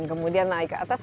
kemudian naik ke atas